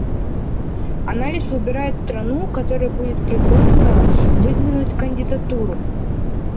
Она лишь выбирает страну, которой будет предложено выдвинуть кандидатуру.